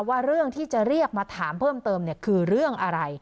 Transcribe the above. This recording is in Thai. ว่าเรื่องที่จะเรียกมาถามเพิ่มเติมคือเรื่องอะไร